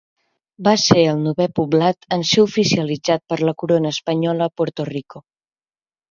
Va ser el novè poblat en ser oficialitzat per la corona espanyola a Puerto Rico.